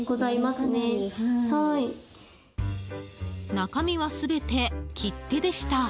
中身は全て切手でした。